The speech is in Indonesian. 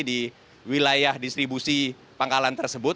di wilayah distribusi pangkalan tersebut